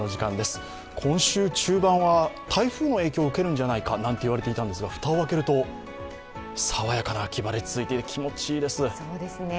今週中盤は台風の影響を受けるんじゃないかなんて言われていたんですが、蓋を開けると、爽やかな秋晴れ続いて気持ちいいですね。